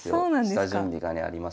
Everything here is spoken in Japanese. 下準備がねありまして。